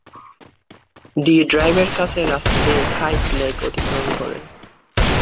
D ড্রাইভের কাছে, রাস্তাটি হাইড লেক অতিক্রম করে।